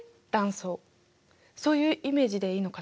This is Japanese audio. そういうイメージでいいのかな。